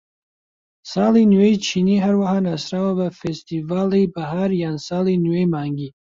ساڵی نوێی چینی هەروەها ناسراوە بە فێستیڤاڵی بەهار یان ساڵی نوێی مانگی.